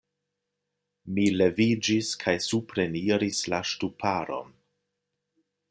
Mi leviĝis kaj supreniris la ŝtuparon.